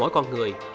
mỗi con người